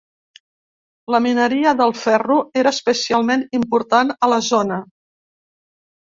La mineria del ferro era especialment important a la zona.